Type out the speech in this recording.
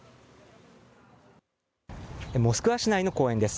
モスクワ市内の公園です。